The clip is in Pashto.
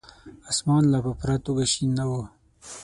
اسمان لا په پوره توګه شين نه وو.